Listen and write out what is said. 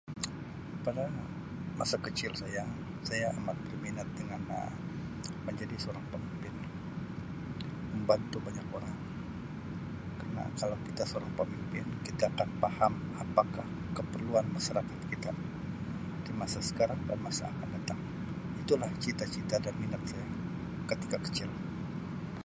Pada masa kecil saya saya amat berminat dengan Um menjadi seorang pemimpin membantu banyak orang kerana kalau kita seorang pemimpin kita akan faham apakah keperluan masyarakat kita dimasa sekarang dan masa akan datang itu lah cita-cita dan minat saya ketika kecil.